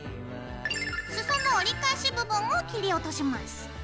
裾の折り返し部分を切り落とします。